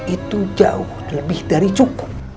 itu jauh lebih dari cukup